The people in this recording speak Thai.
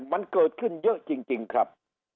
มันเกิดขึ้นเยอะจริงครับ